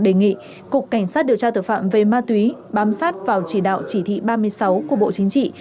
đề nghị cục cảnh sát điều tra tội phạm về ma túy bám sát vào chỉ đạo chỉ thị ba mươi sáu của bộ chính trị